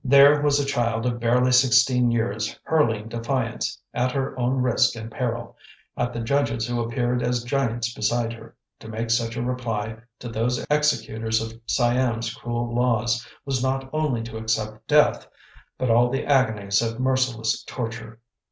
There was a child of barely sixteen years hurling defiance, at her own risk and peril, at the judges who appeared as giants beside her. To make such a reply to those executors of Siam's cruel laws was not only to accept death, but all the agonies of merciless torture.